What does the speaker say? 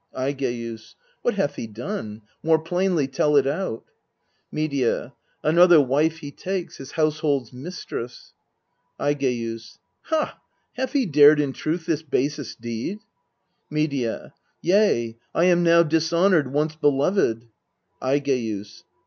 Aigeus. What hath he done? More plainly tell it out. Medea. Another wife he takes, his household's mis tress. Aigeus. Ha! hath he dared in truth this basest deed? Medea. Yea : I am now dishonoured, once beloved. Aigcus.